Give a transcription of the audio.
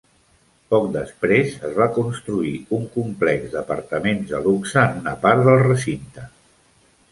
Poc després es va construir un complex d'apartaments de luxe en una part del recinte.